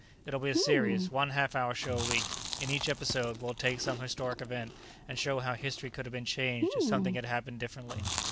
"It'll be a series, one half hour show a week; in each episode, we'll take some historic event and show how history could have been changed if something had happened differently.